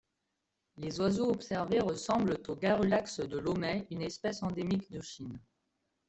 Les oiseaux observés ressemblent au Garrulaxe de l'Omei, une espèce endémique de Chine.